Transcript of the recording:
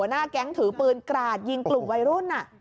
หน้าแก๊งถือปืนกราดยิงกลุ่มวัยรุ่น